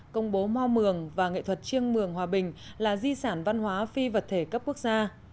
công bố mò mường và nghệ thuật chiêng mường hòa bình là di sản văn hóa phi vật thể cấp quốc gia